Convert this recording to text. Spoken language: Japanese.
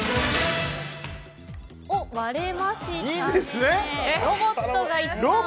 割れましたね。